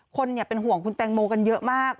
คนเป็นห่วงคุณแตงโมกันเยอะมาก